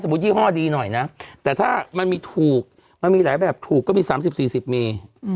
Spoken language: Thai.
สมมุติยี่ห้อดีหน่อยนะแต่ถ้ามันมีถูกมันมีหลายแบบถูกก็มีสามสิบสี่สิบมี